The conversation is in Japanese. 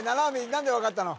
何で分かったの？